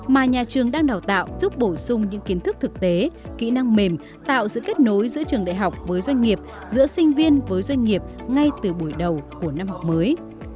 mà nhà trường đang đào tạo giúp bổ sung những kiến thức thực tế kỹ năng mềm tạo sự kết nối giữa trường đại học với doanh nghiệp giữa sinh viên với doanh nghiệp ngay từ buổi đầu của năm học mới